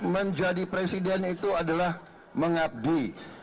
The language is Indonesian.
menjadi presiden itu adalah mengabdi